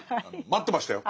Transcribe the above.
待ってましたよ。